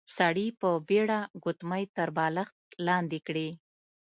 سړي په بيړه ګوتمۍ تر بالښت لاندې کړې.